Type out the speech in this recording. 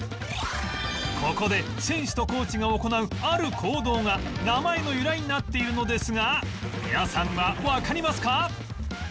ここで選手とコーチが行うある行動が名前の由来になっているのですが皆さんはわかりますか？